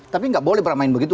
tapi nggak boleh bermain begitu